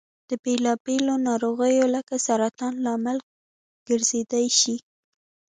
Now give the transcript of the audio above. د بېلا بېلو نارغیو لکه سرطان لامل ګرځيدای شي.